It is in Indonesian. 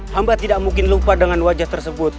hamba tidak mungkin lupa dengan wajah tersebut